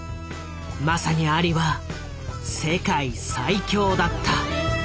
まさにアリは「世界最強」だった。